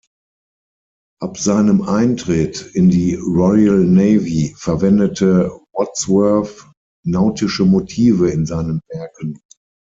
Ab seinem Eintritt in die Royal Navy verwendete Wadsworth nautische Motive in seinen Werken.